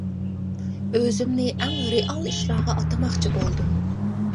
ئۆزۈمنى ئەڭ رېئال ئىشلارغا ئاتىماقچى بولدۇم.